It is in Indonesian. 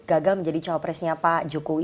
gagal menjadi cowok presnya pak jokowi